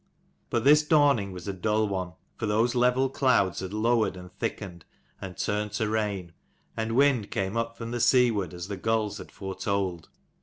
But this dawning was a dull one, for those level clouds had lowered, and thickened, and turned to rain : and wind came up from the seaward, as the gulls had foretold.